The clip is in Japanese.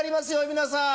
皆さん。